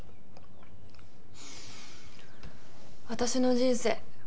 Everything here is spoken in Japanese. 私の人生